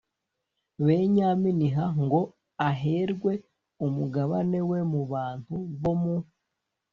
benyamini h ngo aherwe umugabane we mu bantu bo mu